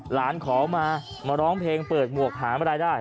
หลานขอมามาร้องเพลงเปิดหมวกหามารายได้